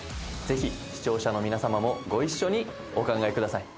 ぜひ視聴者の皆様もご一緒にお考えください。